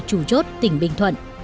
chủ chốt tỉnh bình thuận